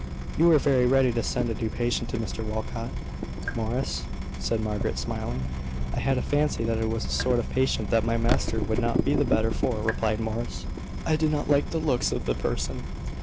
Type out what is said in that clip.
"You were very ready to send a new patient to Mr Walcot, Morris," said Margaret, smiling. "I had a fancy that it was a sort of patient that my master would not be the better for," replied Morris. "I did not like the looks of the person."